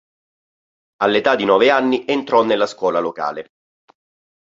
All'età di nove anni entrò nella scuola locale.